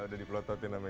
udah di plototin namanya